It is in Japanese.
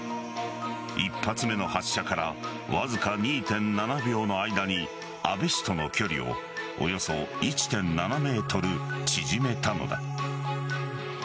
１発目の発射からわずか２．７秒の間に安倍氏との距離をおよそ１．７ｍ縮めたのだ。